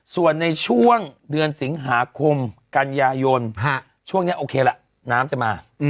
ส่วนในช่วงเดือนสิงหาคมกันยายนช่วงนี้โอเคละน้ำจะมา